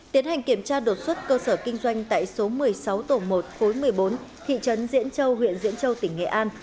tiến hành kiểm tra đột xuất cơ sở kinh doanh tại số một mươi sáu tổ một khối một mươi bốn thị trấn diễn châu huyện diễn châu tỉnh nghệ an